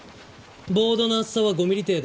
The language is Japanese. ボードの厚さは５ミリ程度。